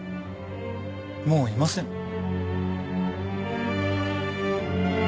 もういません。